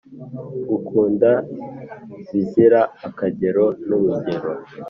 Ngukunda bizira akagero n’urugero